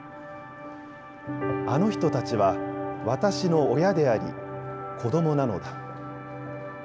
あのひとたちはわたしの、親であり子どもなのだ。